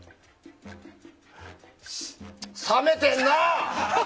冷めてるな！